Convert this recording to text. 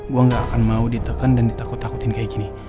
gue gak akan mau ditekan dan ditakut takutin kayak gini